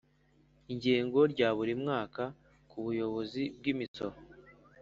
Ingengo rya buri mwaka ku Buyobozi bw Imisoro